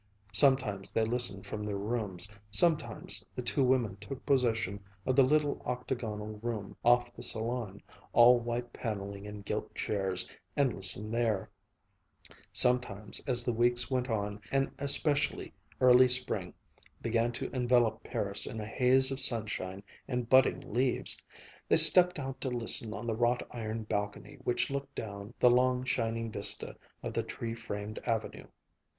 Sometimes they listened from their rooms, sometimes the two women took possession of the little octagonal room off the salon, all white paneling and gilt chairs, and listened there; sometimes, as the weeks went on and an especially early spring began to envelop Paris in a haze of sunshine and budding leaves, they stepped out to listen on the wrought iron balcony which looked down the long, shining vista of the tree framed avenue.